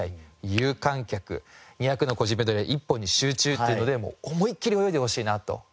有観客２００の個人メドレー１本に集中っていうので思いっきり泳いでほしいなというふうに思います。